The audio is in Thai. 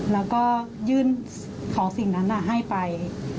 แล้วก็ยื่นของสิ่งนั้นให้ไป